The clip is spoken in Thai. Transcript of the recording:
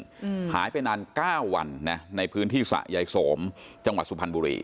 อืมหายไปนานเก้าวันนะในพื้นที่สะยายโสมจังหวัดสุพรรณบุรี